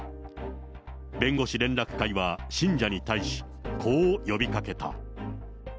弁護士連絡会は信者に対し、こう呼びかけた。